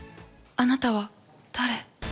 あなたは誰？